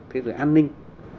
thế rồi an ninh